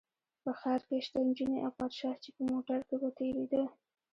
په ښار کې شته نجونې او پادشاه چې په موټر کې به تېرېده.